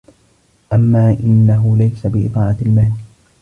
أَمَا إنَّهُ لَيْسَ بِإِضَاعَةِ الْمَالِ